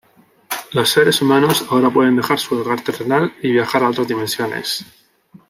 Los seres humanos ahora pueden dejar su hogar terrenal y viajar a otras dimensiones.